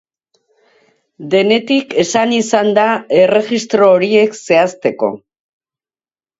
Denetik esan izan da erregistro horiek zehazteko.